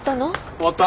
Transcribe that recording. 終わった。